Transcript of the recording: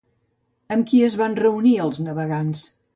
Amb qui es van reunir els navegants?